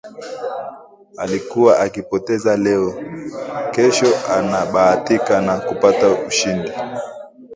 Alikuwa akipoteza leo, kesho anabahatika na kupata ushindi